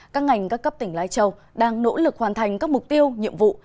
các ngành các cấp tỉnh lai châu đang nỗ lực hoàn thành các mục tiêu nhiệm vụ